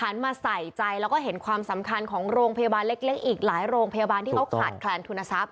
มาใส่ใจแล้วก็เห็นความสำคัญของโรงพยาบาลเล็กอีกหลายโรงพยาบาลที่เขาขาดแคลนทุนทรัพย